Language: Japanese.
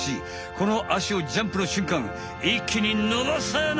このあしをジャンプのしゅんかんいっきにのばせな！